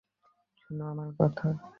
শোনো আমার কথা।